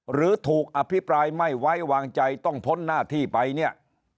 หรือถูกอภิปรายไม่ไว้วางใจต้องพ้นหน้าที่ไปเนี่ย